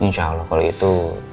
insya allah kalau itu